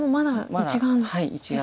まだ１眼。